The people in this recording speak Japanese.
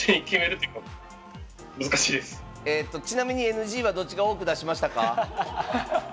ちなみにＮＧはどっちが多く出しましたか？